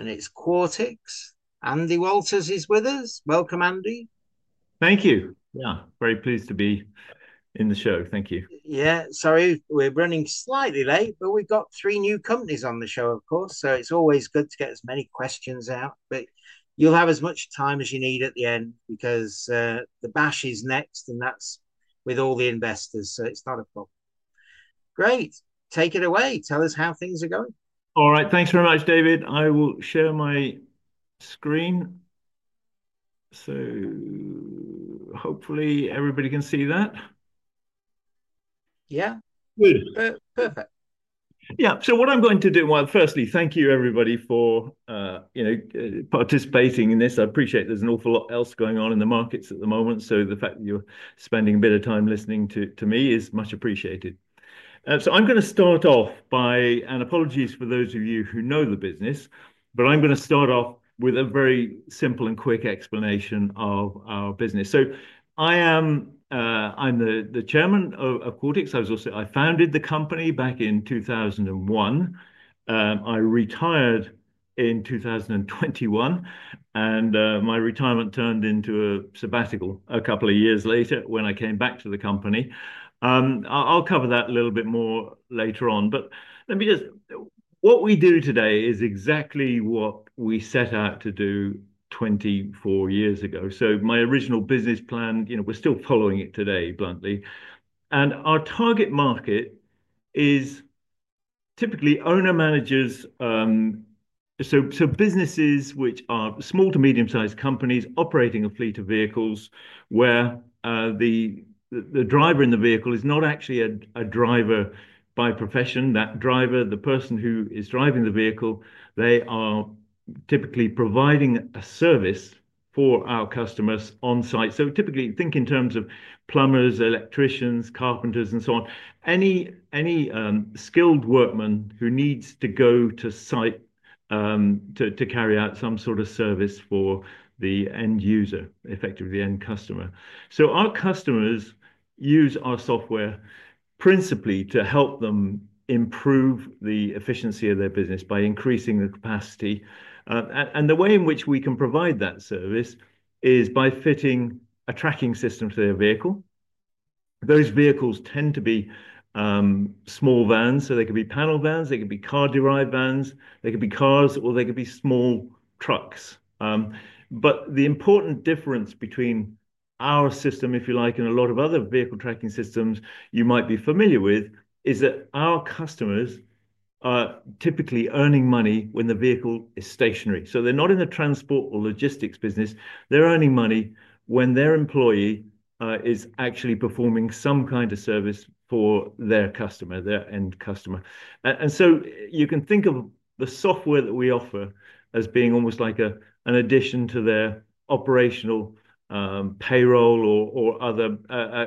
It is Quartix. Andy Walters is with us. Welcome, Andy. Thank you. Yeah, very pleased to be in the show. Thank you. Yeah, sorry, we're running slightly late, but we've got three new companies on the show, of course, so it's always good to get as many questions out. You'll have as much time as you need at the end because the bash is next, and that's with all the investors, so it's not a problem. Great. Take it away. Tell us how things are going. All right, thanks very much, David. I will share my screen. Hopefully everybody can see that. Yeah. Good. Perfect. Yeah, what I'm going to do, firstly, thank you, everybody, for, you know, participating in this. I appreciate there's an awful lot else going on in the markets at the moment, so the fact that you're spending a bit of time listening to me is much appreciated. I'm going to start off by, and apologies for those of you who know the business, but I'm going to start off with a very simple and quick explanation of our business. I am the Chairman of Quartix. I founded the company back in 2001. I retired in 2021, and my retirement turned into a sabbatical a couple of years later when I came back to the company. I'll cover that a little bit more later on, but let me just—what we do today is exactly what we set out to do 24 years ago. My original business plan, you know, we're still following it today, bluntly. Our target market is typically owner-managers, so businesses which are small to medium-sized companies operating a fleet of vehicles where the driver in the vehicle is not actually a driver by profession. That driver, the person who is driving the vehicle, they are typically providing a service for our customers on site. Typically, think in terms of plumbers, electricians, carpenters, and so on. Any skilled workman who needs to go to site to carry out some sort of service for the end user, effectively the end customer. Our customers use our software principally to help them improve the efficiency of their business by increasing the capacity. The way in which we can provide that service is by fitting a tracking system to their vehicle. Those vehicles tend to be small vans, so they could be panel vans, they could be car-derived vans, they could be cars, or they could be small trucks. The important difference between our system, if you like, and a lot of other vehicle tracking systems you might be familiar with, is that our customers are typically earning money when the vehicle is stationary. They are not in the transport or logistics business. They are earning money when their employee is actually performing some kind of service for their customer, their end customer. You can think of the software that we offer as being almost like an addition to their operational payroll or other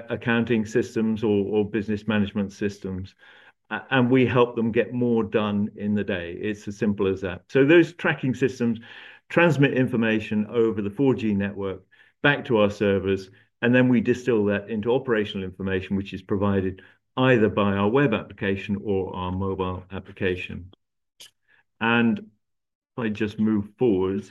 accounting systems or business management systems. We help them get more done in the day. It's as simple as that. Those tracking systems transmit information over the 4G network back to our servers, and then we distill that into operational information, which is provided either by our web application or our mobile application. I just move forward.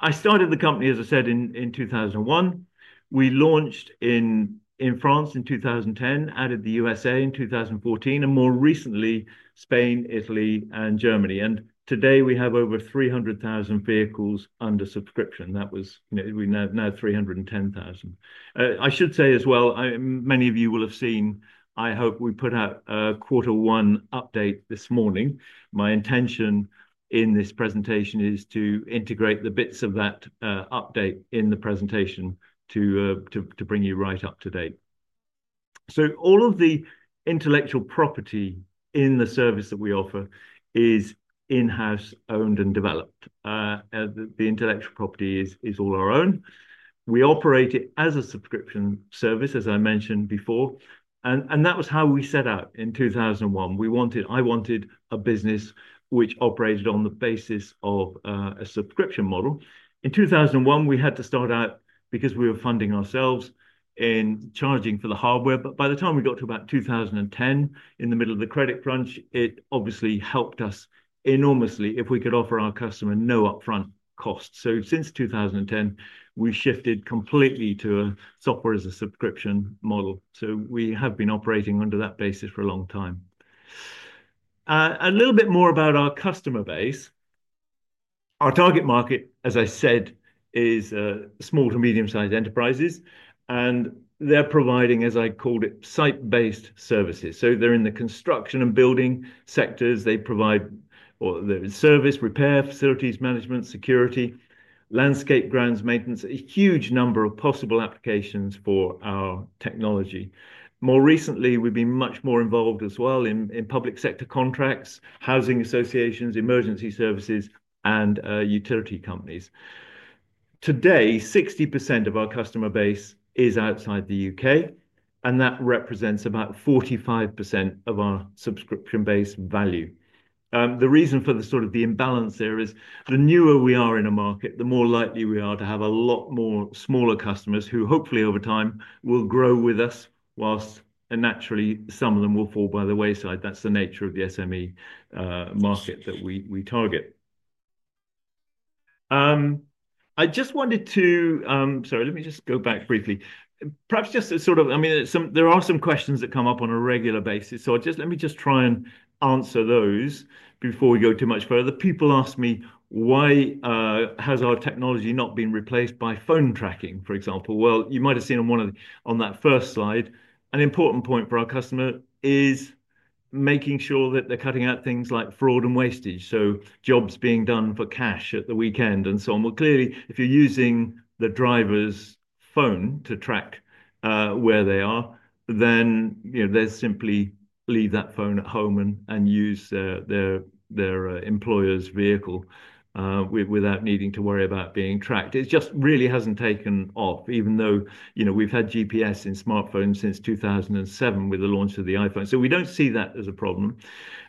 I started the company, as I said, in 2001. We launched in France in 2010, added the USA in 2014, and more recently, Spain, Italy, and Germany. Today we have over 300,000 vehicles under subscription. That was, you know, we're now 310,000. I should say as well, many of you will have seen, I hope we put out a Quarter One update this morning. My intention in this presentation is to integrate the bits of that update in the presentation to bring you right up to date. All of the intellectual property in the service that we offer is in-house owned and developed. The intellectual property is all our own. We operate it as a subscription service, as I mentioned before. That was how we set out in 2001. I wanted a business which operated on the basis of a subscription model. In 2001, we had to start out because we were funding ourselves in charging for the hardware. By the time we got to about 2010, in the middle of the credit crunch, it obviously helped us enormously if we could offer our customer no upfront costs. Since 2010, we shifted completely to a software-as-a-subscription model. We have been operating under that basis for a long time. A little bit more about our customer base. Our target market, as I said, is small to medium-sized enterprises, and they're providing, as I called it, site-based services. They're in the construction and building sectors. They provide service repair facilities, management, security, landscape grounds maintenance, a huge number of possible applications for our technology. More recently, we've been much more involved as well in public sector contracts, housing associations, emergency services, and utility companies. Today, 60% of our customer base is outside the U.K., and that represents about 45% of our subscription-based value. The reason for the sort of the imbalance there is the newer we are in a market, the more likely we are to have a lot more smaller customers who hopefully over time will grow with us, whilst naturally some of them will fall by the wayside. That's the nature of the SME market that we target. I just wanted to—sorry, let me just go back briefly. Perhaps just a sort of—I mean, there are some questions that come up on a regular basis, so let me just try and answer those before we go too much further. People ask me, "Why has our technology not been replaced by phone tracking, for example?" You might have seen on that first slide, an important point for our customer is making sure that they're cutting out things like fraud and wastage, so jobs being done for cash at the weekend and so on. Clearly, if you're using the driver's phone to track where they are, then they simply leave that phone at home and use their employer's vehicle without needing to worry about being tracked. It just really hasn't taken off, even though we've had GPS in smartphones since 2007 with the launch of the iPhone. We don't see that as a problem.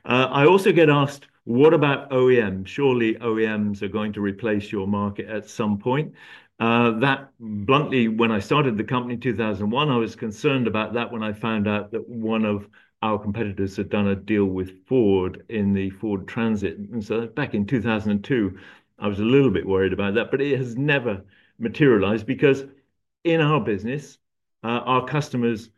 I also get asked, "What about OEMs?" Surely OEMs are going to replace your market at some point. That bluntly, when I started the company in 2001, I was concerned about that when I found out that one of our competitors had done a deal with Ford in the Ford Transit. Back in 2002, I was a little bit worried about that, but it has never materialized because in our business, our customers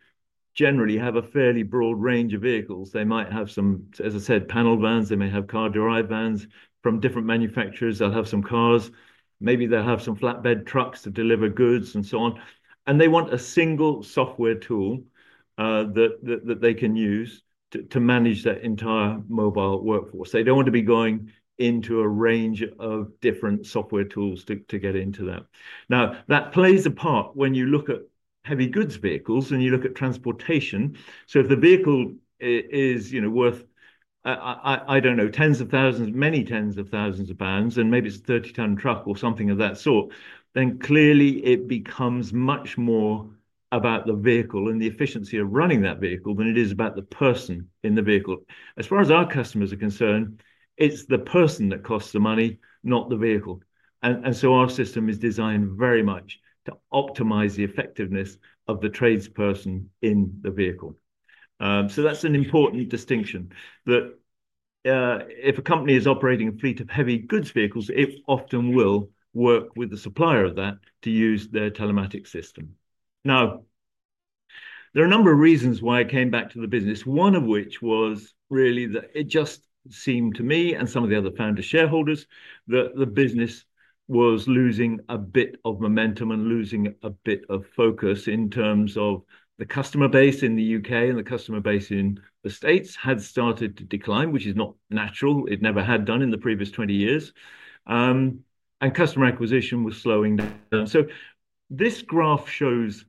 generally have a fairly broad range of vehicles. They might have some, as I said, panel vans. They may have car-derived vans from different manufacturers. They'll have some cars. Maybe they'll have some flatbed trucks to deliver goods and so on. They want a single software tool that they can use to manage that entire mobile workforce. They do not want to be going into a range of different software tools to get into that. Now, that plays a part when you look at heavy goods vehicles and you look at transportation. If the vehicle is worth, I don't know, tens of thousands, many tens of thousands of vans, and maybe it's a 30-ton truck or something of that sort, then clearly it becomes much more about the vehicle and the efficiency of running that vehicle than it is about the person in the vehicle. As far as our customers are concerned, it's the person that costs the money, not the vehicle. Our system is designed very much to optimize the effectiveness of the tradesperson in the vehicle. That's an important distinction that if a company is operating a fleet of heavy goods vehicles, it often will work with the supplier of that to use their telematics system. Now, there are a number of reasons why I came back to the business, one of which was really that it just seemed to me and some of the other founder shareholders that the business was losing a bit of momentum and losing a bit of focus in terms of the customer base in the U.K. and the customer base in the States had started to decline, which is not natural. It never had done in the previous 20 years. And customer acquisition was slowing down. This graph shows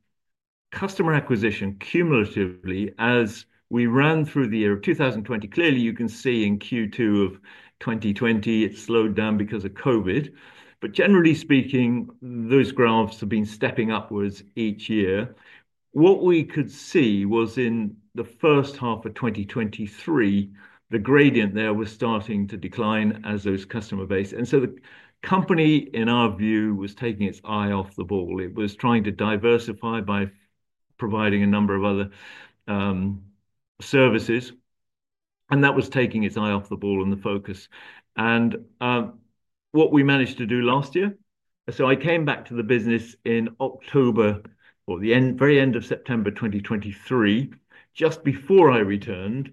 customer acquisition cumulatively as we ran through the year of 2020. Clearly, you can see in Q2 of 2020, it slowed down because of COVID. Generally speaking, those graphs have been stepping upwards each year. What we could see was in the first half of 2023, the gradient there was starting to decline as those customer base. The company, in our view, was taking its eye off the ball. It was trying to diversify by providing a number of other services. That was taking its eye off the ball and the focus. What we managed to do last year, I came back to the business in October or the very end of September 2023. Just before I returned,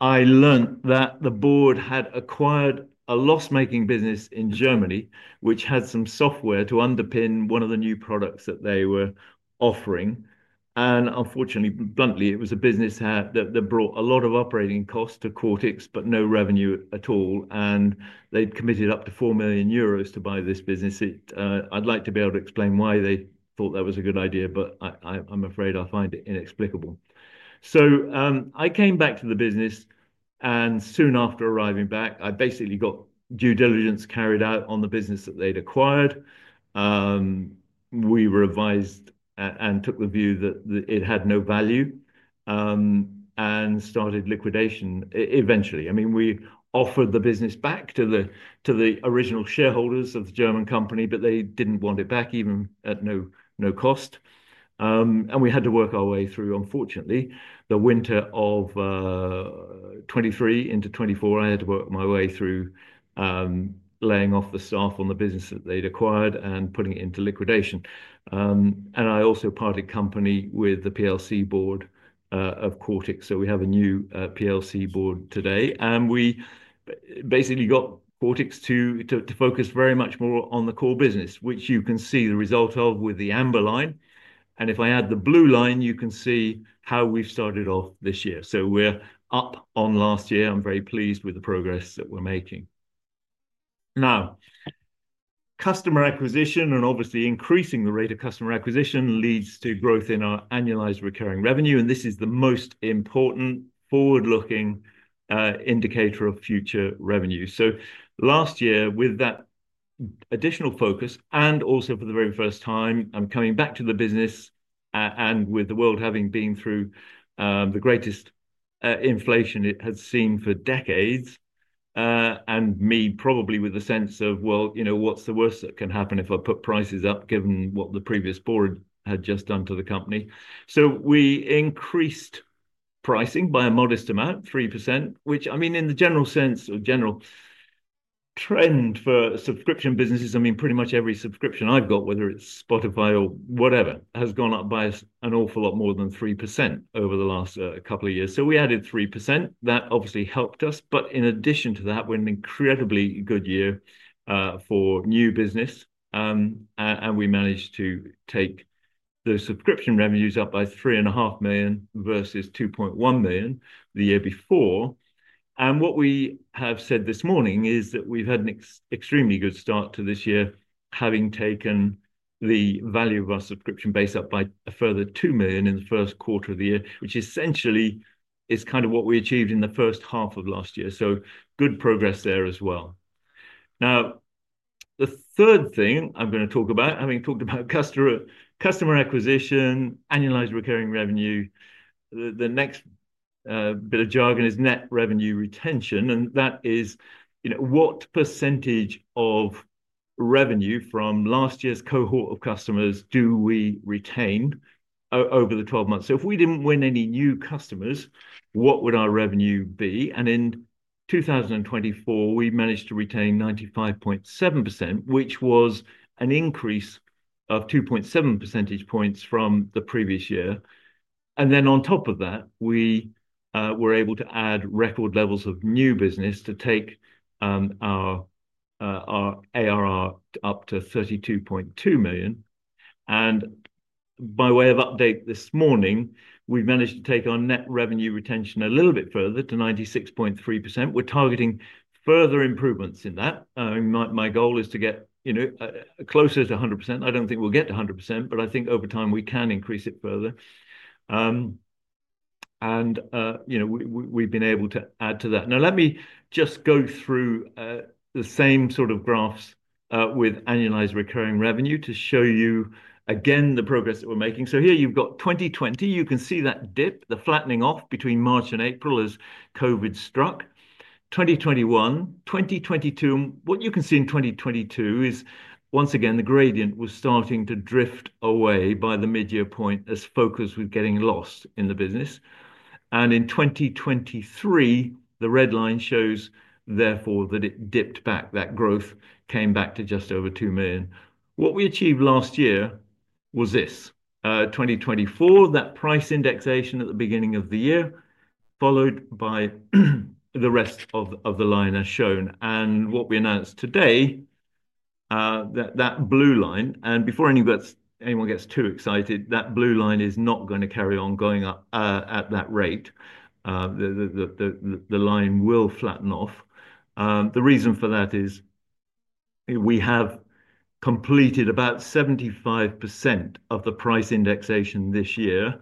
I learned that the board had acquired a loss-making business in Germany, which had some software to underpin one of the new products that they were offering. Unfortunately, bluntly, it was a business that brought a lot of operating costs to Quartix, but no revenue at all. They had committed up to 4 million euros to buy this business. I would like to be able to explain why they thought that was a good idea, but I am afraid I find it inexplicable. I came back to the business, and soon after arriving back, I basically got due diligence carried out on the business that they'd acquired. We were advised and took the view that it had no value and started liquidation eventually. I mean, we offered the business back to the original shareholders of the German company, but they did not want it back, even at no cost. We had to work our way through, unfortunately, the winter of 2023 into 2024. I had to work my way through laying off the staff on the business that they'd acquired and putting it into liquidation. I also parted company with the PLC board of Quartix. We have a new PLC board today. We basically got Quartix to focus very much more on the core business, which you can see the result of with the amber line. If I add the blue line, you can see how we've started off this year. We're up on last year. I'm very pleased with the progress that we're making. Now, customer acquisition and obviously increasing the rate of customer acquisition leads to growth in our annualized recurring revenue. This is the most important forward-looking indicator of future revenue. Last year, with that additional focus, and also for the very first time, I'm coming back to the business. With the world having been through the greatest inflation it had seen for decades, and me probably with the sense of, well, you know, what's the worst that can happen if I put prices up, given what the previous board had just done to the company? We increased pricing by a modest amount, 3%, which, I mean, in the general sense or general trend for subscription businesses, I mean, pretty much every subscription I've got, whether it's Spotify or whatever, has gone up by an awful lot more than 3% over the last couple of years. We added 3%. That obviously helped us. In addition to that, we're in an incredibly good year for new business. We managed to take those subscription revenues up by 3.5 million versus 2.1 million the year before. What we have said this morning is that we've had an extremely good start to this year, having taken the value of our subscription base up by a further 2 million in the first quarter of the year, which essentially is kind of what we achieved in the first half of last year. Good progress there as well. Now, the third thing I'm going to talk about, having talked about customer acquisition, annualized recurring revenue, the next bit of jargon is net revenue retention. That is, you know, what percentage of revenue from last year's cohort of customers do we retain over the 12 months? If we didn't win any new customers, what would our revenue be? In 2024, we managed to retain 95.7%, which was an increase of 2.7 percentage points from the previous year. On top of that, we were able to add record levels of new business to take our ARR up to 32.2 million. By way of update this morning, we've managed to take our net revenue retention a little bit further to 96.3%. We're targeting further improvements in that. My goal is to get, you know, closer to 100%. I don't think we'll get to 100%, but I think over time we can increase it further. You know, we've been able to add to that. Now, let me just go through the same sort of graphs with annualized recurring revenue to show you again the progress that we're making. Here you've got 2020. You can see that dip, the flattening off between March and April as COVID struck. 2021, 2022, what you can see in 2022 is once again, the gradient was starting to drift away by the mid-year point as focus was getting lost in the business. In 2023, the red line shows therefore that it dipped back. That growth came back to just over 2 million. What we achieved last year was this. 2024, that price indexation at the beginning of the year, followed by the rest of the line as shown. What we announced today, that blue line, and before anyone gets too excited, that blue line is not going to carry on going up at that rate. The line will flatten off. The reason for that is we have completed about 75% of the price indexation this year.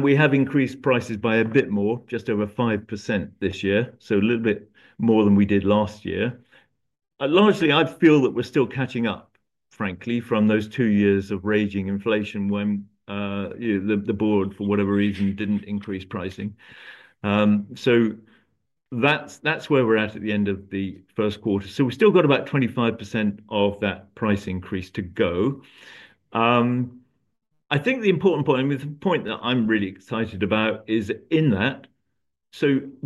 We have increased prices by a bit more, just over 5% this year. A little bit more than we did last year. Largely, I feel that we're still catching up, frankly, from those two years of raging inflation when the board, for whatever reason, did not increase pricing. That is where we're at at the end of the first quarter. We have still got about 25% of that price increase to go. I think the important point, the point that I'm really excited about is in that.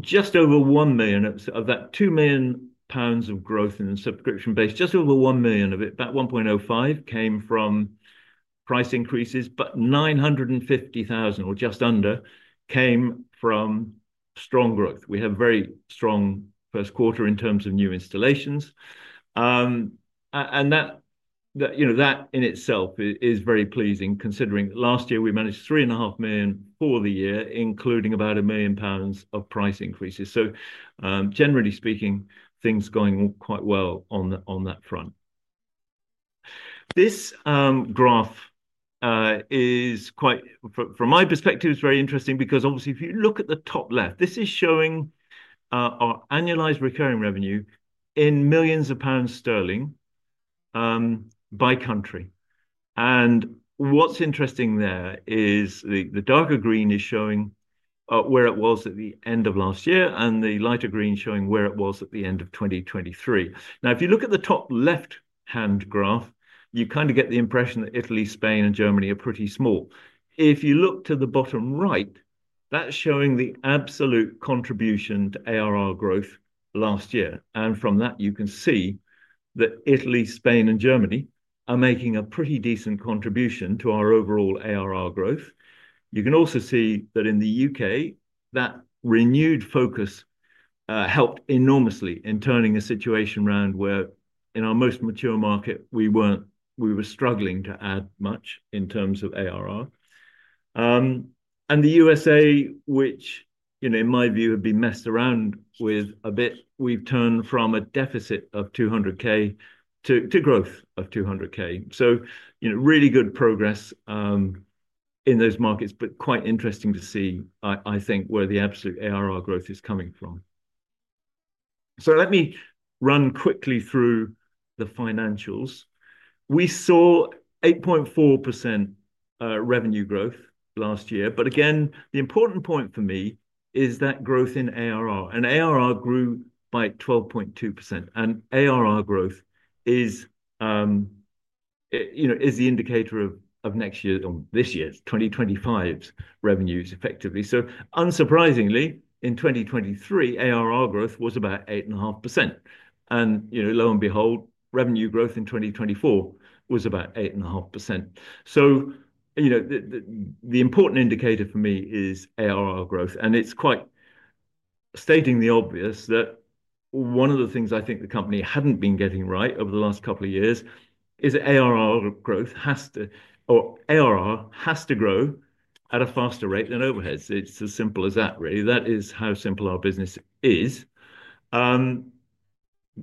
Just over 1 million of that 2 million pounds of growth in the subscription base, just over 1 million of it, about 1.05 million, came from price increases, but 950,000 or just under came from strong growth. We have a very strong first quarter in terms of new installations. That, you know, that in itself is very pleasing considering last year we managed 3.5 million for the year, including about 1 million pounds of price increases. Generally speaking, things going quite well on that front. This graph is quite, from my perspective, is very interesting because obviously if you look at the top left, this is showing our annualized recurring revenue in millions of pounds sterling by country. What's interesting there is the darker green is showing where it was at the end of last year and the lighter green showing where it was at the end of 2023. Now, if you look at the top left-hand graph, you kind of get the impression that Italy, Spain, and Germany are pretty small. If you look to the bottom right, that is showing the absolute contribution to ARR growth last year. From that, you can see that Italy, Spain, and Germany are making a pretty decent contribution to our overall ARR growth. You can also see that in the U.K., that renewed focus helped enormously in turning a situation around where in our most mature market, we were struggling to add much in terms of ARR. The USA, which, you know, in my view, have been messed around with a bit, we have turned from a deficit of 200,000 to growth of 200,000. You know, really good progress in those markets, but quite interesting to see, I think, where the absolute ARR growth is coming from. Let me run quickly through the financials. We saw 8.4% revenue growth last year. The important point for me is that growth in ARR. ARR grew by 12.2%. ARR growth is, you know, is the indicator of next year's or this year's 2025 revenues effectively. Unsurprisingly, in 2023, ARR growth was about 8.5%. You know, lo and behold, revenue growth in 2024 was about 8.5%. You know, the important indicator for me is ARR growth. It is quite stating the obvious that one of the things I think the company had not been getting right over the last couple of years is that ARR growth has to, or ARR has to grow at a faster rate than overheads. It is as simple as that, really. That is how simple our business is.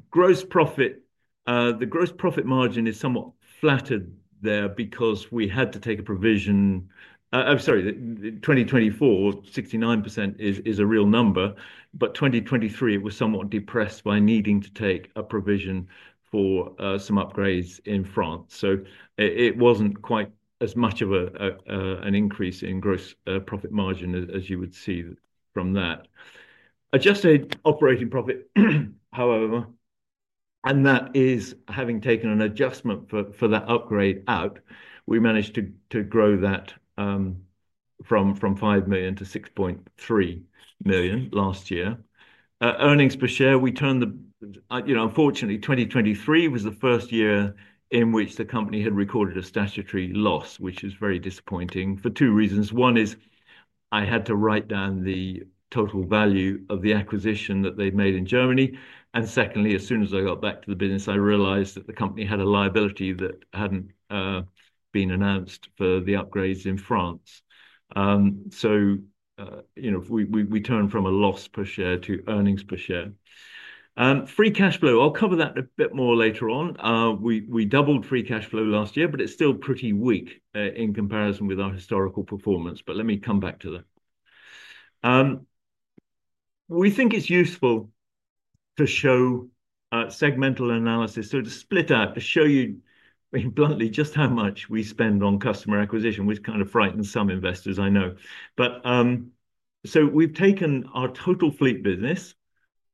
Gross profit, the gross profit margin is somewhat flattered there because we had to take a provision, I'm sorry, 2024, 69% is a real number, but 2023, it was somewhat depressed by needing to take a provision for some upgrades in France. It was not quite as much of an increase in gross profit margin as you would see from that. Adjusted operating profit, however, and that is having taken an adjustment for that upgrade out, we managed to grow that from 5 million to 6.3 million last year. Earnings per share, we turned the, you know, unfortunately, 2023 was the first year in which the company had recorded a statutory loss, which is very disappointing for two reasons. One is I had to write down the total value of the acquisition that they'd made in Germany. Secondly, as soon as I got back to the business, I realized that the company had a liability that had not been announced for the upgrades in France. You know, we turned from a loss per share to earnings per share. Free cash flow, I'll cover that a bit more later on. We doubled free cash flow last year, but it is still pretty weak in comparison with our historical performance. Let me come back to that. We think it is useful to show segmental analysis. It is split out to show you bluntly just how much we spend on customer acquisition, which kind of frightens some investors, I know. We have taken our total fleet business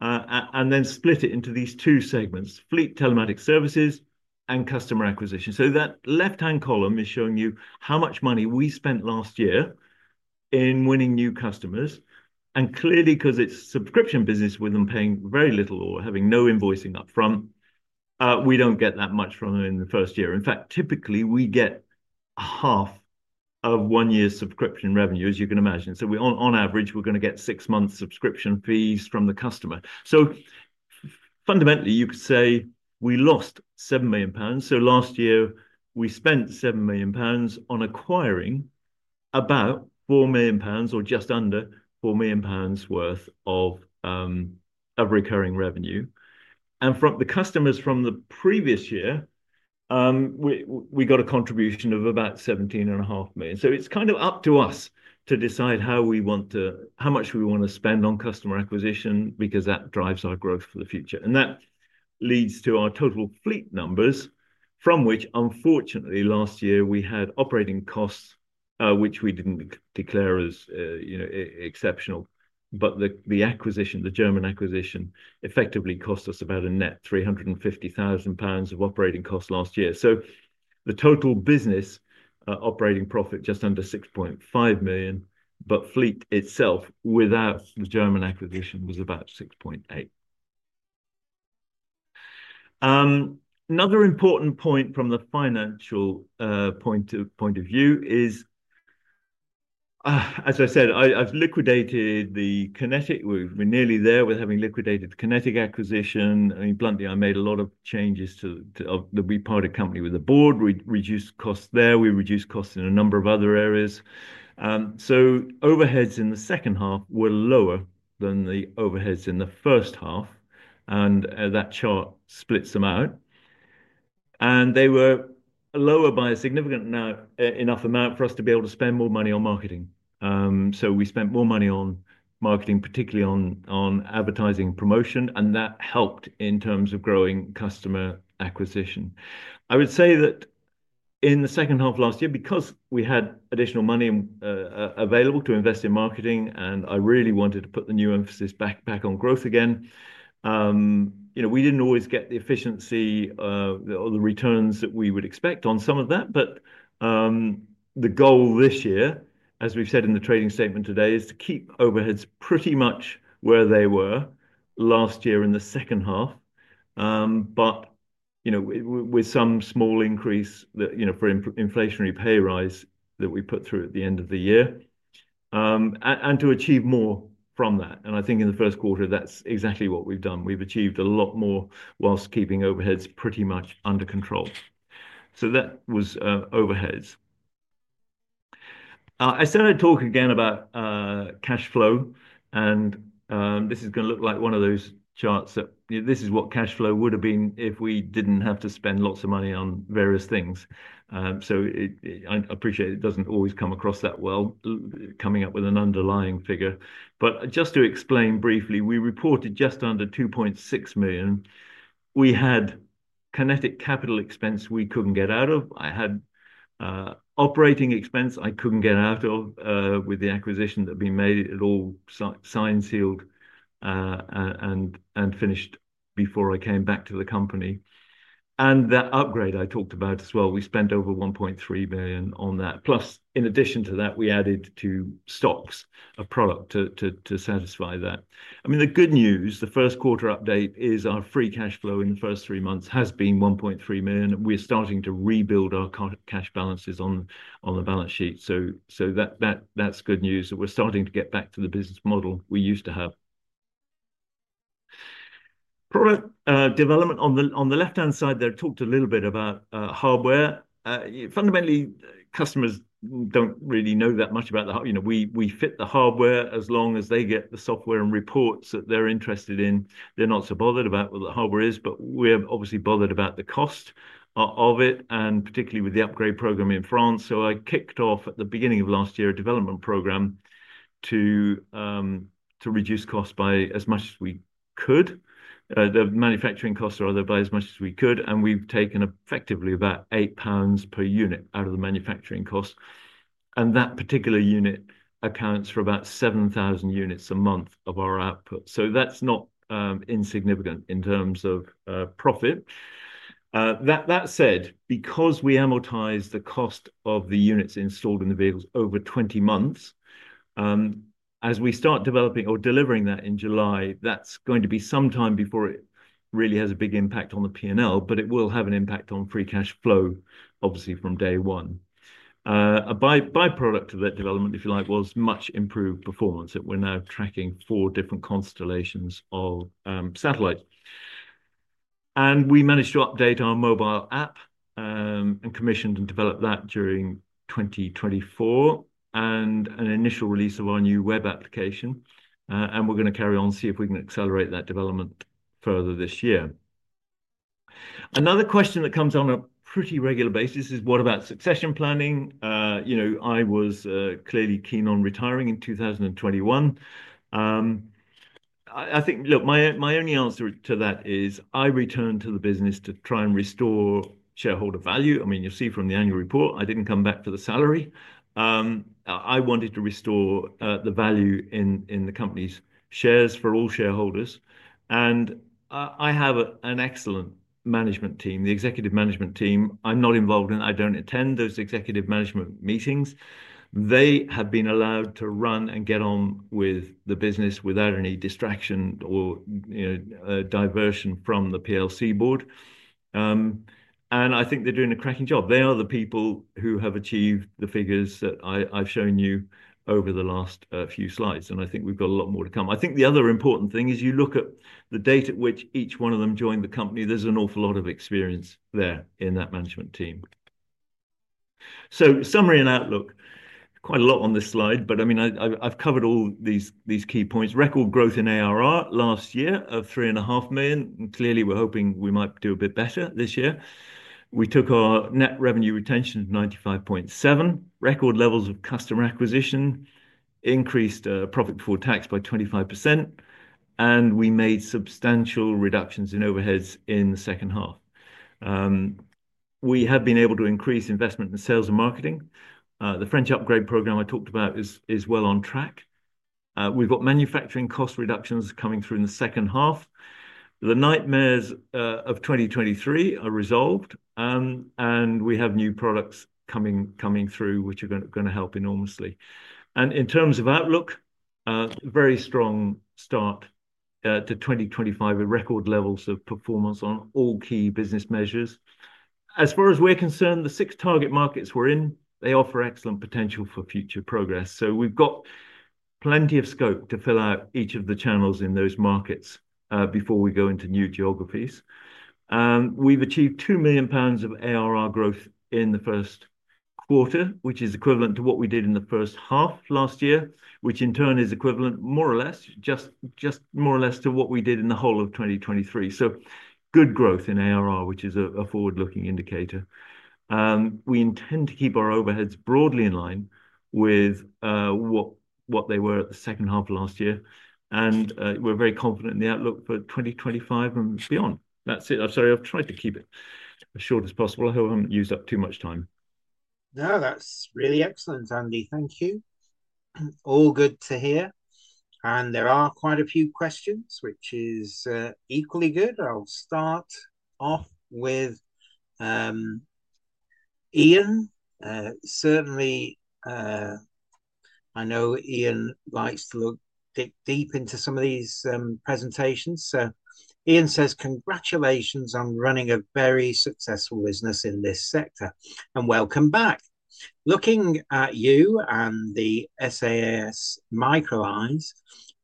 and then split it into these two segments, fleet telematic services and customer acquisition. That left-hand column is showing you how much money we spent last year in winning new customers. because it is a subscription business with them paying very little or having no invoicing upfront, we do not get that much from them in the first year. In fact, typically we get half of one year's subscription revenue, as you can imagine. On average, we are going to get six months' subscription fees from the customer. Fundamentally, you could say we lost 7 million pounds. Last year, we spent 7 million pounds on acquiring about 4 million pounds or just under 4 million pounds worth of recurring revenue. From the customers from the previous year, we got a contribution of about 17.5 million. It is kind of up to us to decide how we want to, how much we want to spend on customer acquisition because that drives our growth for the future. That leads to our total fleet numbers, from which, unfortunately, last year we had operating costs, which we did not declare as, you know, exceptional. The acquisition, the German acquisition, effectively cost us about a net 350,000 pounds of operating costs last year. The total business operating profit just under 6.5 million, but fleet itself without the German acquisition was about 6.8 million. Another important point from the financial point of view is, as I said, I have liquidated Konetik, we are nearly there, we are having liquidated the Konetik acquisition. I mean, bluntly, I made a lot of changes to the, we parted company with the board, we reduced costs there, we reduced costs in a number of other areas. Overheads in the second half were lower than the overheads in the first half. That chart splits them out. They were lower by a significant enough amount for us to be able to spend more money on marketing. We spent more money on marketing, particularly on advertising and promotion. That helped in terms of growing customer acquisition. I would say that in the second half of last year, because we had additional money available to invest in marketing, and I really wanted to put the new emphasis back on growth again, you know, we did not always get the efficiency or the returns that we would expect on some of that. The goal this year, as we have said in the trading statement today, is to keep overheads pretty much where they were last year in the second half, with some small increase that, you know, for inflationary pay rise that we put through at the end of the year. To achieve more from that. I think in the first quarter, that's exactly what we've done. We've achieved a lot more whilst keeping overheads pretty much under control. That was overheads. I started talking again about cash flow. This is going to look like one of those charts that, you know, this is what cash flow would have been if we didn't have to spend lots of money on various things. I appreciate it doesn't always come across that well coming up with an underlying figure. Just to explain briefly, we reported just under 2.6 million. We had Konetik capital expense we couldn't get out of. I had operating expense I couldn't get out of with the acquisition that had been made. It all signed, sealed, and finished before I came back to the company. That upgrade I talked about as well, we spent over 1.3 million on that. Plus, in addition to that, we added to stocks of product to satisfy that. I mean, the good news, the first quarter update is our free cash flow in the first three months has been 1.3 million. We're starting to rebuild our cash balances on the balance sheet. That's good news that we're starting to get back to the business model we used to have. Product development on the left-hand side, they've talked a little bit about hardware. Fundamentally, customers don't really know that much about the, you know, we fit the hardware as long as they get the software and reports that they're interested in. They're not so bothered about what the hardware is, but we're obviously bothered about the cost of it, and particularly with the upgrade program in France. I kicked off at the beginning of last year a development program to reduce costs by as much as we could. The manufacturing costs are otherwise as much as we could. We have taken effectively about 8 pounds per unit out of the manufacturing costs. That particular unit accounts for about 7,000 units a month of our output. That is not insignificant in terms of profit. That said, because we amortize the cost of the units installed in the vehicles over 20 months, as we start developing or delivering that in July, that is going to be some time before it really has a big impact on the P&L, but it will have an impact on free cash flow, obviously from day one. A byproduct of that development, if you like, was much improved performance. We are now tracking four different constellations of satellites. We managed to update our mobile app and commissioned and developed that during 2024 and an initial release of our new web application. We're going to carry on to see if we can accelerate that development further this year. Another question that comes on a pretty regular basis is, what about succession planning? You know, I was clearly keen on retiring in 2021. I think, look, my only answer to that is I returned to the business to try and restore shareholder value. I mean, you'll see from the annual report, I didn't come back for the salary. I wanted to restore the value in the company's shares for all shareholders. I have an excellent management team, the executive management team. I'm not involved in, I don't attend those executive management meetings. They have been allowed to run and get on with the business without any distraction or, you know, diversion from the PLC board. I think they're doing a cracking job. They are the people who have achieved the figures that I've shown you over the last few slides. I think we've got a lot more to come. I think the other important thing is you look at the date at which each one of them joined the company, there's an awful lot of experience there in that management team. Summary and outlook, quite a lot on this slide, but I mean, I've covered all these key points. Record growth in ARR last year of 3.5 million. Clearly, we're hoping we might do a bit better this year. We took our net revenue retention to 95.7%, record levels of customer acquisition, increased profit before tax by 25%, and we made substantial reductions in overheads in the second half. We have been able to increase investment in sales and marketing. The French upgrade program I talked about is well on track. We've got manufacturing cost reductions coming through in the second half. The nightmares of 2023 are resolved. We have new products coming through, which are going to help enormously. In terms of outlook, very strong start to 2025 with record levels of performance on all key business measures. As far as we're concerned, the six target markets we're in, they offer excellent potential for future progress. We've got plenty of scope to fill out each of the channels in those markets before we go into new geographies. We've achieved 2 million pounds of ARR growth in the first quarter, which is equivalent to what we did in the first half last year, which in turn is equivalent more or less, just more or less to what we did in the whole of 2023. Good growth in ARR, which is a forward-looking indicator. We intend to keep our overheads broadly in line with what they were at the second half of last year. We are very confident in the outlook for 2025 and beyond. That's it. I'm sorry, I've tried to keep it as short as possible. I hope I haven't used up too much time. No, that's really excellent, Andy. Thank you. All good to hear. There are quite a few questions, which is equally good. I'll start off with Ian. Certainly, I know Ian likes to look deep into some of these presentations. Ian says, "Congratulations on running a very successful business in this sector." Welcome back. Looking at you and the SaaS micro-caps,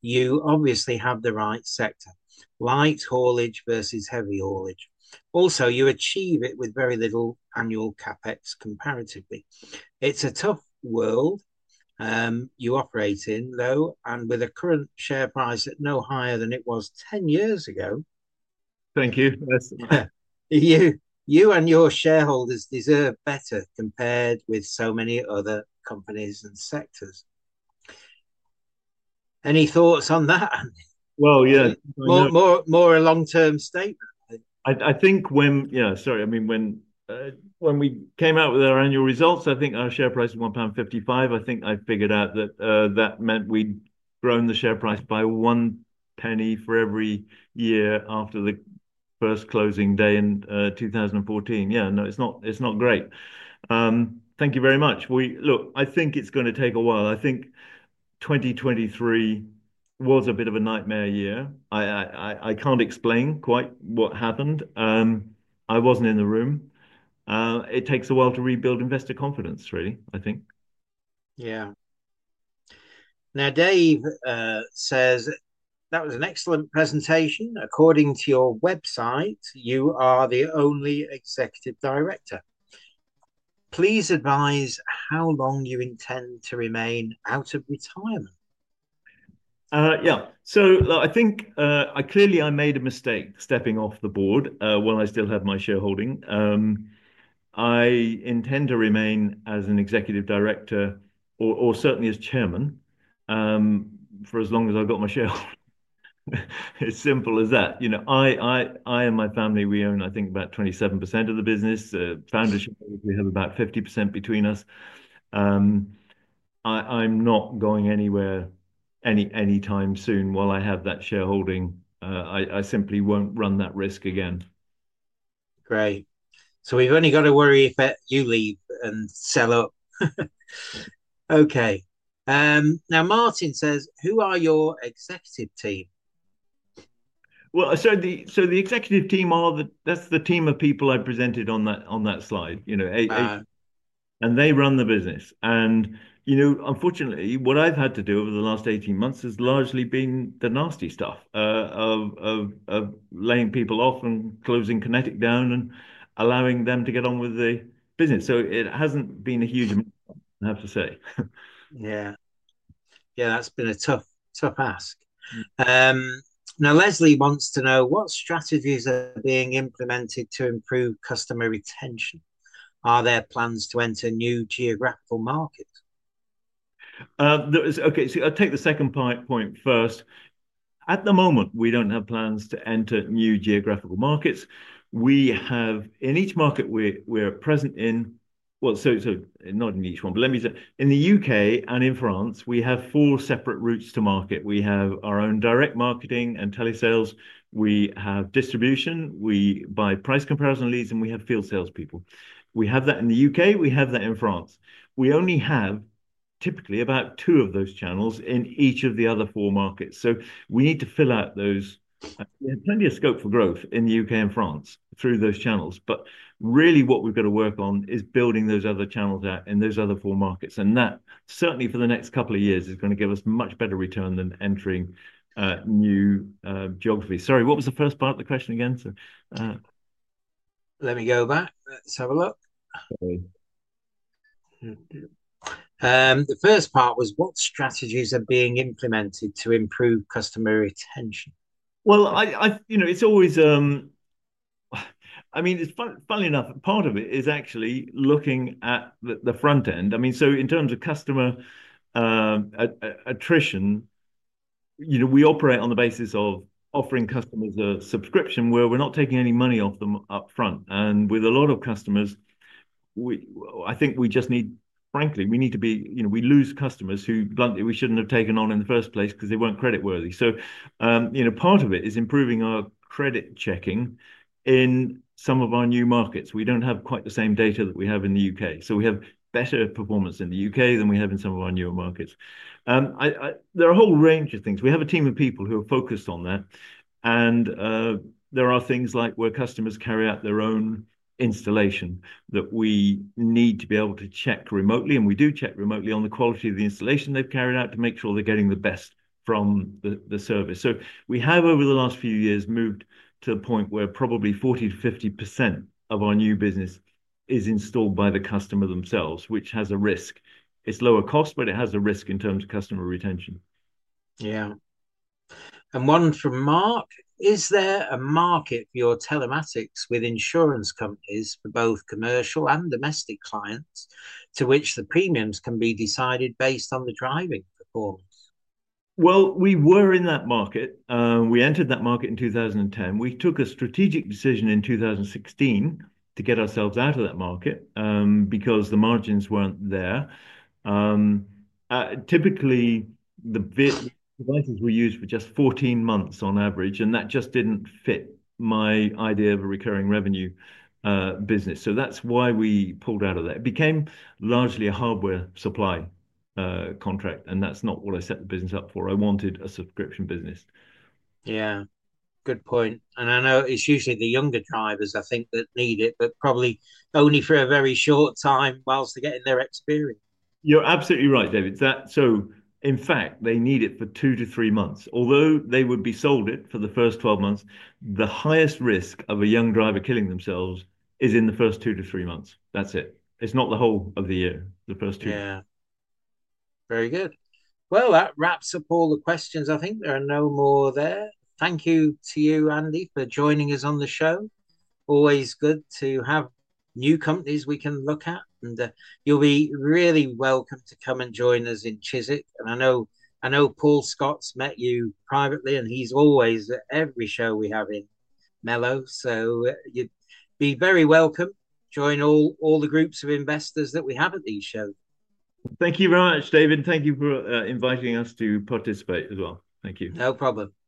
you obviously have the right sector, light haulage versus heavy haulage. Also, you achieve it with very little annual CapEx comparatively. It's a tough world you operate in, though, and with a current share price at no higher than it was 10 years ago. Thank you. You and your shareholders deserve better compared with so many other companies and sectors. Any thoughts on that? Yeah. More a long-term statement. I think when, yeah, sorry, I mean, when we came out with our annual results, I think our share price was 1.55. I think I figured out that that meant we'd grown the share price by one penny for every year after the first closing day in 2014. Yeah, no, it's not great. Thank you very much. Look, I think it's going to take a while. I think 2023 was a bit of a nightmare year. I can't explain quite what happened. I wasn't in the room. It takes a while to rebuild investor confidence, really, I think. Yeah. Now, Dave says, "That was an excellent presentation. According to your website, you are the only executive director. Please advise how long you intend to remain out of retirement." Yeah. I think I clearly made a mistake stepping off the board while I still had my shareholding. I intend to remain as an executive director or certainly as chairman for as long as I've got my shareholder. It's simple as that. You know, I and my family, we own, I think, about 27% of the business. Foundership, we have about 50% between us. I'm not going anywhere anytime soon while I have that shareholding. I simply won't run that risk again. Great. We only have to worry if you leave and sell up. Okay. Now, Martin says, "Who are your executive team?" The executive team, that's the team of people I presented on that slide. They run the business. You know, unfortunately, what I've had to do over the last 18 months has largely been the nasty stuff of laying people off and closing Konetik down and allowing them to get on with the business. It hasn't been a huge amount, I have to say. Yeah. That's been a tough ask. Now, Leslie wants to know what strategies are being implemented to improve customer retention. Are there plans to enter new geographical markets? I will take the second point first. At the moment, we don't have plans to enter new geographical markets. In each market we're present in, well, not in each one, but let me say, in the U.K. and in France, we have four separate routes to market. We have our own direct marketing and telesales. We have distribution. We buy price comparison leads, and we have field salespeople. We have that in the U.K. We have that in France. We only have typically about two of those channels in each of the other four markets. We need to fill out those. We have plenty of scope for growth in the U.K. and France through those channels. Really what we've got to work on is building those other channels out in those other four markets. That certainly for the next couple of years is going to give us much better return than entering new geographies. Sorry, what was the first part of the question again? Let me go back. Let's have a look. The first part was what strategies are being implemented to improve customer retention. You know, it's always, I mean, it's funny enough, part of it is actually looking at the front end. I mean, so in terms of customer attrition, you know, we operate on the basis of offering customers a subscription where we're not taking any money off them upfront. With a lot of customers, I think we just need, frankly, we need to be, you know, we lose customers who bluntly we shouldn't have taken on in the first place because they weren't creditworthy. You know, part of it is improving our credit checking in some of our new markets. We do not have quite the same data that we have in the U.K. We have better performance in the U.K. than we have in some of our newer markets. There are a whole range of things. We have a team of people who are focused on that. There are things like where customers carry out their own installation that we need to be able to check remotely. We do check remotely on the quality of the installation they have carried out to make sure they are getting the best from the service. We have over the last few years moved to the point where probably 40-50% of our new business is installed by the customer themselves, which has a risk. It's lower cost, but it has a risk in terms of customer retention. Yeah. And one from Mark. Is there a market for your telematics with insurance companies for both commercial and domestic clients to which the premiums can be decided based on the driving performance? Yeah. We were in that market. We entered that market in 2010. We took a strategic decision in 2016 to get ourselves out of that market because the margins weren't there. Typically, the devices we used were just 14 months on average, and that just didn't fit my idea of a recurring revenue business. That's why we pulled out of that. It became largely a hardware supply contract, and that's not what I set the business up for. I wanted a subscription business. Yeah. Good point. I know it's usually the younger drivers, I think, that need it, but probably only for a very short time whilst they're getting their experience. You're absolutely right, David. In fact, they need it for two to three months. Although they would be sold it for the first 12 months, the highest risk of a young driver killing themselves is in the first two to three months. That's it. It's not the whole of the year, the first two months. Yeah. Very good. That wraps up all the questions. I think there are no more there. Thank you to you, Andy, for joining us on the show. Always good to have new companies we can look at. You will be really welcome to come and join us in Chiswick. I know Paul Scott met you privately, and he's always at every show we have in Mello. Be very welcome. Join all the groups of investors that we have at these shows. Thank you very much, David. Thank you for inviting us to participate as well. Thank you. No problem.